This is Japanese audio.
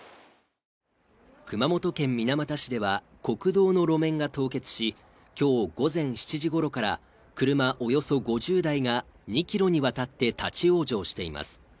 熊本県水俣市では国道の路面が凍結し今日午前７時ごろから車およそ５０台が２ｋｍにわたって立往生しています